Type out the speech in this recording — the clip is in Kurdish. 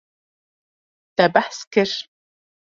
Te behs kir.